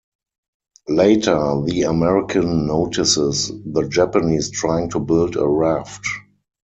Later, the American notices the Japanese trying to build a raft.